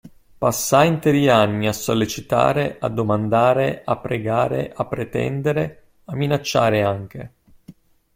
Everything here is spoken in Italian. Passai interi anni a sollecitare, a domandare, a pregare, a pretendere, a minacciare anche.